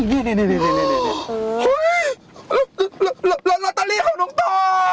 เฮ่ยร็อเตอรีของหนุ่งโต